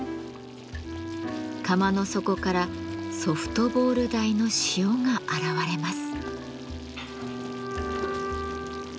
釜の底からソフトボール大の塩が現れます。